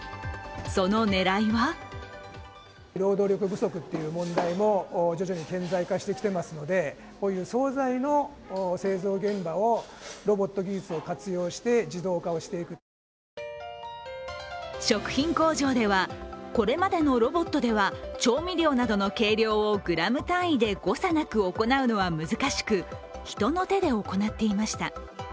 その狙いは食品工場ではこれまでのロボットでは調味料などの計量をグラム単位で誤差なく行うのは難しく、人の手で行っていました。